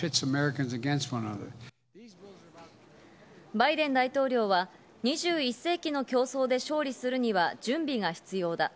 バイデン大統領は２１世紀の競争で勝利するには準備が必要だ。